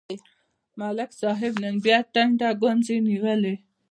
ملک صاحب نن بیا ټنډه ګونځې نیولې.